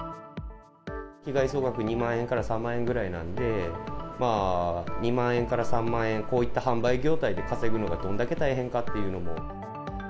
被害総額２万円から３万円ぐらいなんで、まあ２万円から３万円、こういった販売業態で稼ぐのがどんだけ大変かっていうのも。